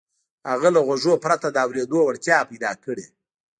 هغه له غوږونو پرته د اورېدو وړتيا پيدا کړي.